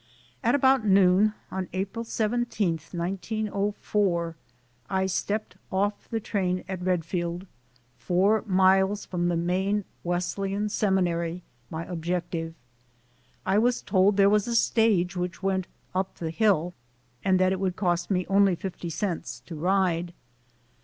At about noon, on April 17, 1904, I stepped off the train at Readfield, four miles from the Maine Wesleyan Seminary, my objective. I was told there was a stage which went "up the hill" and that it would cost only fifty cents to ride.